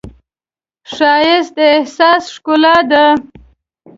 ښایست د احساس ښکلا ده